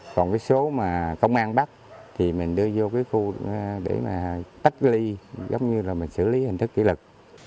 còn cái số mà công an bắt thì mình đưa vô cái khu để mà tắt ly giống như là mình xử lý hình thức kỷ lực